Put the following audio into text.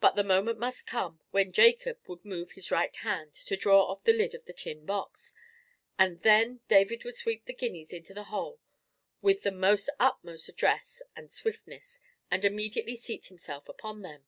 But the moment must come when Jacob would move his right hand to draw off the lid of the tin box, and then David would sweep the guineas into the hole with the utmost address and swiftness, and immediately seat himself upon them.